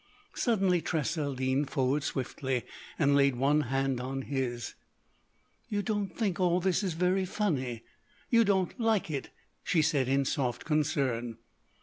Suddenly Tressa leaned forward swiftly and laid one hand on his. "You don't think all this is very funny. You don't like it," she said in soft concern.